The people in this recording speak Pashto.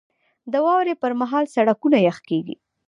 • د واورې پر مهال سړکونه یخ کېږي.